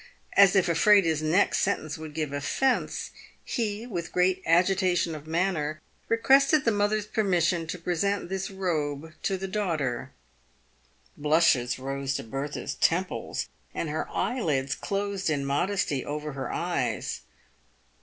As if afraid his next sentence would give offence, he, with great agitation of manner, requested the mother's permission to present this robe to the daughter. Blushes rose to Bertha's temples, and her eyelids closed in modesty over her eyes.